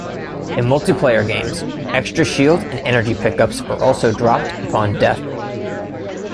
In multiplayer games, extra shield and energy pickups are also dropped upon death.